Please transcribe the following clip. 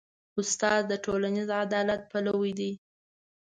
استاد د ټولنیز عدالت پلوی دی.